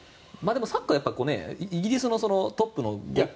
サッカーはイギリスのトップのね。